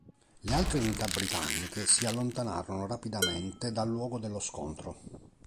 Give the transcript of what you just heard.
Le altre unità britanniche si allontanarono rapidamente dal luogo dello scontro.